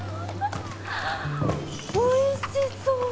おいしそう！